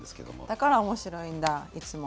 だから面白いんだいつも。